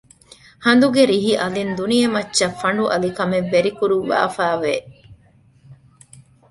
ހަނދުގެ ރިހި އަލިން ދުނިޔެމައްޗަށް ފަނޑު އަލިކަމެއް ވެރިކުރުވާފައި ވެ